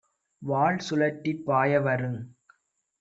வால்சுழற்றிப் பாயவருங்